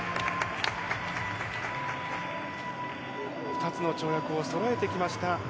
２つの跳躍をそろえてきました。